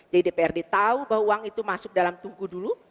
jadi dprd tahu bahwa uang itu masuk dalam tungku dulu